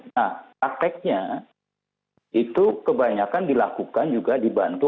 nah prakteknya itu kebanyakan dilakukan juga dibantu